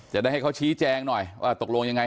จะได้ให้เขาชี้แจงหน่อยว่าตกลงยังไง